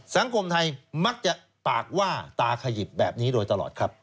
สังคมไทยมักจะปากว่าตาขยิบแบบนี้โดยตลอดครับ